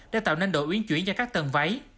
đã tạo nên độ uyên chuyển cho các tầng váy